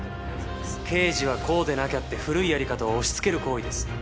刑事はこうでなきゃって古いやり方を押しつける行為です。